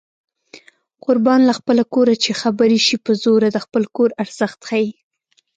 قربان له خپله کوره چې خبرې شي په زوره د خپل کور ارزښت ښيي